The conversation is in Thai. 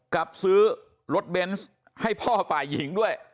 กับซื้อรถเบนส์ให้พ่อฝ่ายหญิงด้วย